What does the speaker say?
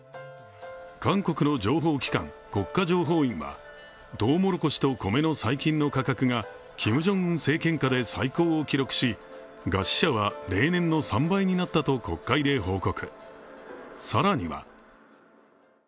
韓国情報機関、国家情報院は、とうもろこしと米の最近の価格がキム・ジョンウン政権下で最高を記録し、餓死者は例年の３倍になったと国会で報告。